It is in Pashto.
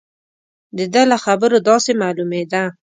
د ده له خبرو داسې معلومېده.